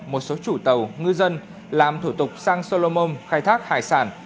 một số chủ tàu ngư dân làm thủ tục sang solomom khai thác hải sản